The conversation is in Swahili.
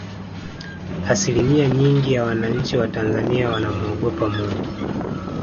asilimia nyingi ya wananchi wa tanzania wanamuogopa mungu